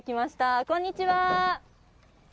こんにちは。